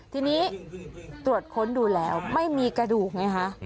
ทีนี้ตรวจค้นดูแล้วไม่มีกระดูกไงคะ